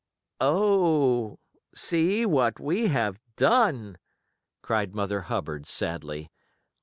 "Oh, see what we have done!" cried Mother Hubbard, sadly.